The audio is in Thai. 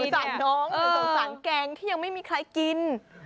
สงสารแกงที่ยังไม่มีใครกิน